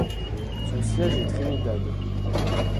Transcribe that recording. Son siège est Trinidad.